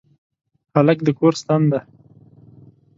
هلک د کور ستن دی.